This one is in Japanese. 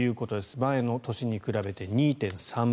前の年に比べて２．３倍。